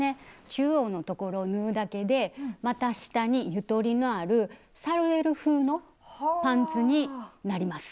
中央の所を縫うだけで股下にゆとりのあるサルエル風のパンツになります。